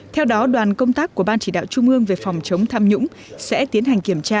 theo đó đoàn công tác của ban chỉ đạo trung ương về phòng chống tham nhũng sẽ tiến hành kiểm tra